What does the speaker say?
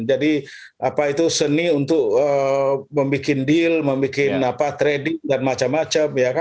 jadi apa itu seni untuk membuat deal membuat trading dan macam macam ya kan